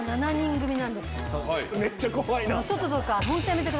めっちゃ怖いな。